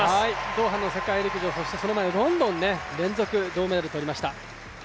ドーハの世界陸上、そしてその前のロンドンで連続銅メダルを取りました。